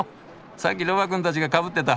さっきロバくんたちがかぶってた。